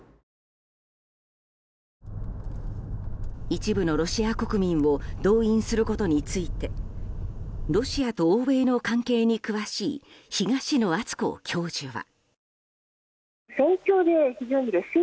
一部のロシア国民を動員することについてロシアと欧米の関係に詳しい東野篤子教授は。